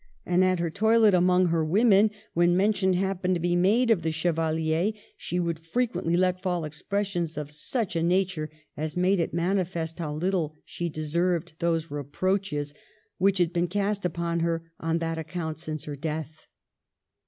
And at her toilet among her women, when mention happened to be made of the Chevalier, she would frequently let fall expressions of such a nature as made it manifest how little she deserved those reproaches which had been cast upon her on that account since her death.'